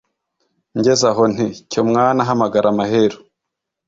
Ngeze aho nti: cyo mwana Hamagara Maheru